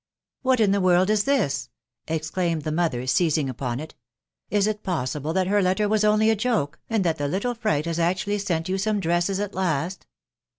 " What in the world is this ?" exclaimed the mother, seis ing upon it. " Is it possible that her letter was only a joke, and that the little fright haa actually sent you some dresses at last?"